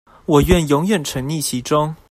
我願永遠沈溺其中